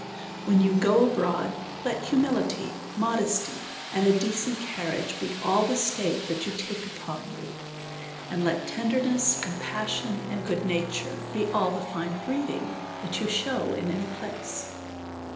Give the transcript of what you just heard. When you go abroad, let humility, modesty, and a decent carriage, be all the state that you take upon you ; and let tenderness, compassion, and good na ture, be all the fine breeding that you shew in any place.